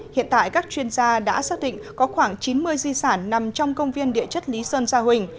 hiện tại các chuyên gia đã xác định có khoảng chín mươi di sản nằm trong công viên địa chất lý sơn sa huỳnh